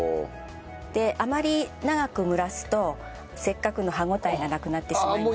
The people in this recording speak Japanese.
であまり長く蒸らすとせっかくの歯ごたえがなくなってしまいますので。